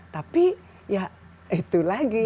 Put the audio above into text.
tapi ya itu lagi